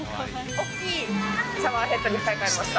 大きいシャワーヘッドに買い替えました。